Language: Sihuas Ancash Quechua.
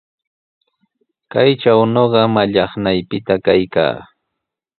Kaytraw ñuqa mallaqnaypita kaykaa.